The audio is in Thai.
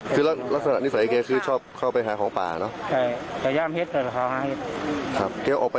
คือลักษณะนิสัยแกคือชอบเข้าไปหาของป่าเนอะ